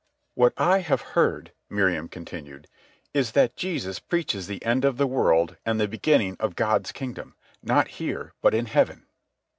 "What I have heard," Miriam continued, "is that this Jesus preaches the end of the world and the beginning of God's kingdom, not here, but in heaven."